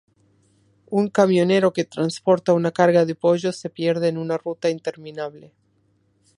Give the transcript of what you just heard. Un camionero que transporta una carga de pollos se pierde en una ruta interminable.